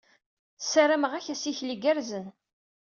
Ssarameɣ-ak assikel igerrzen.